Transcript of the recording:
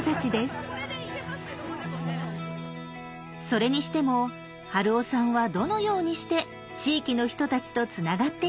それにしても春雄さんはどのようにして地域の人たちとつながっていったのでしょう。